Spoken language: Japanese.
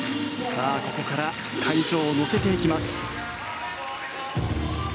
ここから会場を乗せていきます。